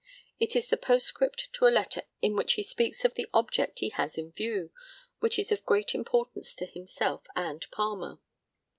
It is the postscript to a letter in which he speaks of the object he has in view, which is of great importance to himself and Palmer.